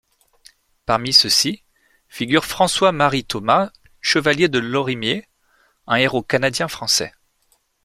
Parmi ceux-ci figure François-Marie-Thomas Chevalier de Lorimier, un héros canadien-français.